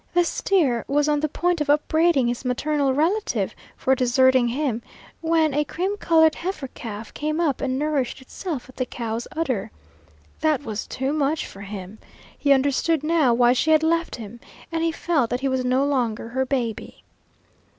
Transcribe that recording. The steer was on the point of upbraiding his maternal relative for deserting him, when a cream colored heifer calf came up and nourished itself at the cow's udder. That was too much for him. He understood now why she had left him, and he felt that he was no longer her baby.